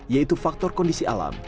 yaitu faktor kondisi alam